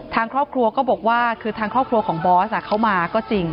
ทางครอบครัวก็บอกว่าคือทางครอบครัวของบอสเข้ามาก็จริง